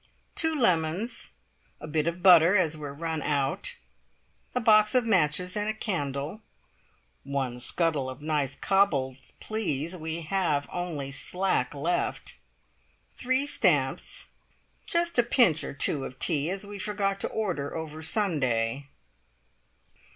Two lemons. "A bit of butter, as we're run out." A box of matches and a candle. "One scuttle of nice cobbles, please. We have only slack left." Three stamps. "Just a pinch or two of tea, as we forgot to order over Sunday."